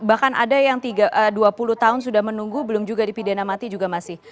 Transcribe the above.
bahkan ada yang dua puluh tahun sudah menunggu belum juga dipidana mati juga masih